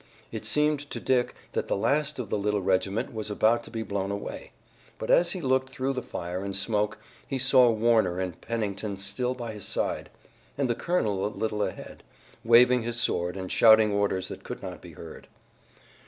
It seemed to Dick that the last of the little regiment was about to be blown away, but as he looked through the fire and smoke he saw Warner and Pennington still by his side, and the colonel a little ahead, waving his sword and shouting orders that could not be heard.